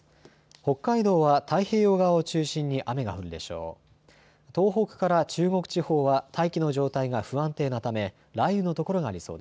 北海道は太平洋側を中心に雨が降るでしょう。